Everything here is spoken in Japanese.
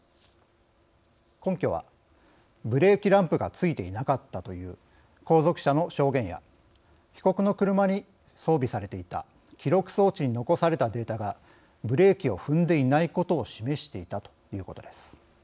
根拠は「ブレーキランプがついていなかった」という後続車の証言や被告の車に装備されていた記録装置に残されたデータがブレーキを踏んでいないことを示していたということです。